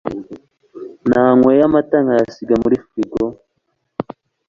nanyweye amata nkayasiga muri firigo